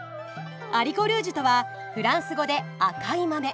アリコルージュとはフランス語で赤い豆。